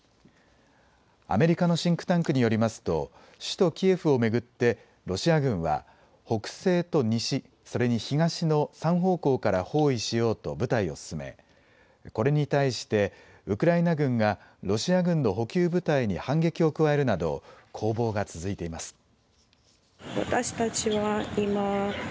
アメリカのシンクタンクによりますと首都キエフを巡ってロシア軍は北西と西、それに東の３方向から包囲しようと部隊を進めこれに対してウクライナ軍がロシア軍の補給部隊に反撃を加えるなど攻防が続いています。